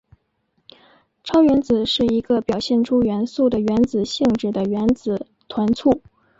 超原子是一个表现出元素的原子性质的原子团簇。